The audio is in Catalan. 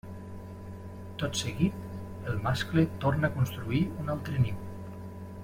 Tot seguit, el mascle torna a construir un altre niu.